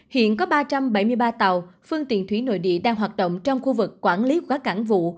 hiện có ba trăm bảy mươi ba tàu phương tiện thủy nội địa đang hoạt động trong khu vực quản lý quá cảnh vụ